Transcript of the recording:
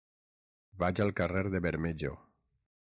Vaig al carrer de Bermejo.